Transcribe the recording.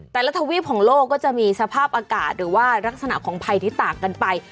ทวีปของโลกก็จะมีสภาพอากาศหรือว่ารักษณะของภัยที่ต่างกันไป